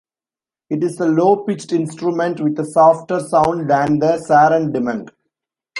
It is a low-pitched instrument with a softer sound than the saron demung.